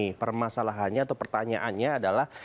jadi permasalahannya atau pertanyaannya adalah